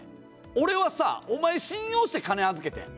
俺はさ、お前信用して金預けてん。